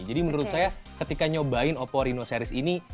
jadi menurut saya ketika nyobain oppo reno series ini